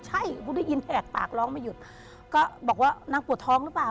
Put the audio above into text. ใช่กูได้ยินแหกปากร้องไม่หยุดก็บอกว่านางปวดท้องหรือเปล่า